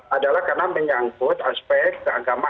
adalah karena menyangkut aspek keagamaan